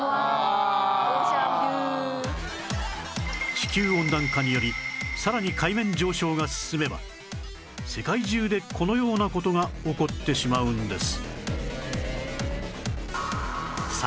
地球温暖化によりさらに海面上昇が進めば世界中でこのような事が起こってしまうんです